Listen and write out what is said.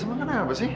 emang kenapa sih